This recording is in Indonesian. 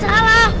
tapi mbak staff